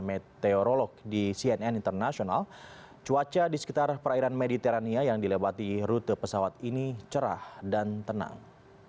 meteorologi di cnn international cuaca di sekitar perairan mediterania yang dilewati rute pesawat ini cerah dan tenang